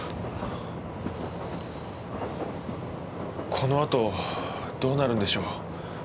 この後どうなるんでしょう。